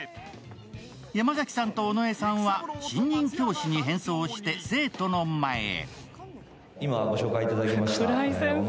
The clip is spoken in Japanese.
山崎さんと尾上さんは新任教師に変装して生徒の前へ。